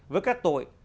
với các tội